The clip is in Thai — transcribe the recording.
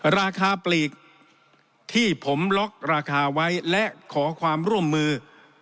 ราคาปลีกที่ผมล็อกราคาไว้และขอความร่วมมือ